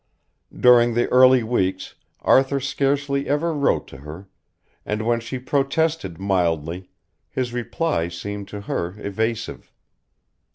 During the early weeks Arthur scarcely ever wrote to her, and when she protested mildly, his reply seemed to her evasive.